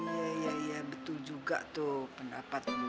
iya iya iya betul juga tuh pendapatku